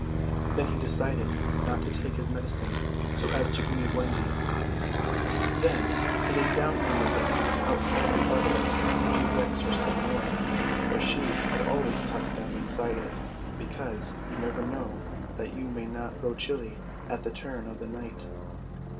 Then he decided not to take his medicine, so as to grieve Wendy. Then he lay down on the bed outside the coverlet, to vex her still more; for she had always tucked them inside it, because you never know that you may not grow chilly at the turn of the night.